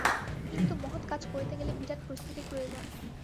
কিন্তু মহৎ কাজ করিতে গেলে বিরাট প্রস্তুতির প্রয়োজন।